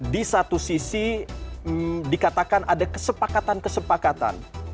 di satu sisi dikatakan ada kesepakatan kesepakatan